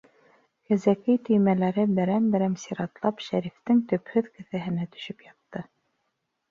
Кәзәкей төймәләре берәм-берәм сиратлап Шәрифтең төпһөҙ кеҫәһенә төшөп ятты.